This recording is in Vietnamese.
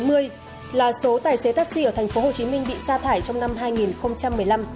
trên sáu trăm bốn mươi là số tài xế taxi ở thành phố hồ chí minh bị sa thải trong năm hai nghìn một mươi năm